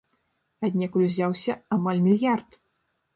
Аднекуль узяўся амаль мільярд!